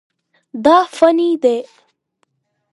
دا فني دي.